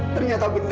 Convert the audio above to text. ternyata benar kamu